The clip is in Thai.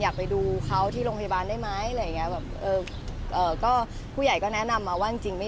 อยากไปดูเค้าที่โรงพยาบาลได้ไหม